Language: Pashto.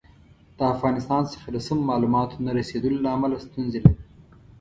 د افغانستان څخه د سمو معلوماتو نه رسېدلو له امله ستونزې لري.